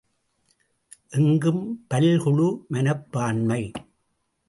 எங்கும் பல்குழு மனப்பான்மை!